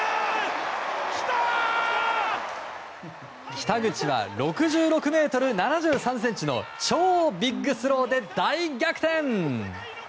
北口は６６ｍ７３ｃｍの超ビッグスローで大逆転！